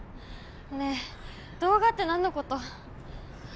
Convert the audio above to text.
ねえ動画って何のこと？